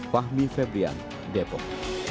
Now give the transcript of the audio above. fahmi febrian depok